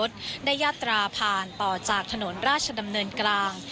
ได้ยาตราผ่านต่อจากถนนราชดำเนินกลาง